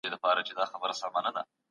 ځينو خلګو خپلي پيسې په کورونو کي وساتلې.